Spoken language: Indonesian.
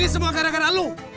ini semua gara gara elo